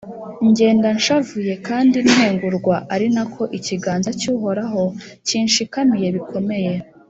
, ngenda nshavuye kandi ntengurwa, ari na ko ikiganza cy’Uhoraho kinshikamiye bikomeye